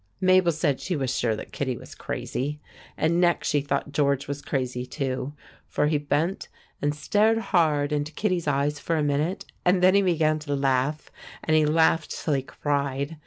Mabel said she was sure that Kittie was crazy, and next she thought George was crazy, too. For he bent and stared hard into Kittie's eyes for a minute, and then he began to laugh, and he laughed till he cried.